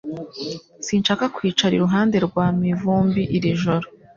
Sinshaka kwicara iruhande rwa Mivumbi iri joro